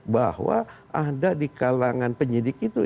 bahwa ada di kalangan penyidik itu